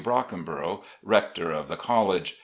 Brockeribrough, rector of the college.